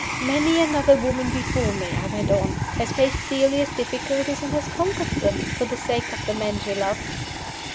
"Many another woman before me," I went on, "has faced serious difficulties, and has conquered them for the sake of the man she loved."